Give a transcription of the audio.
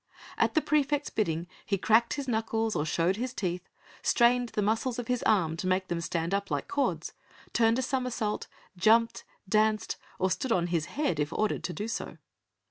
At the praefect's bidding he cracked his knuckles or showed his teeth, strained the muscles of his arm to make them stand up like cords, turned a somersault, jumped, danced or stood on his head if ordered so to do.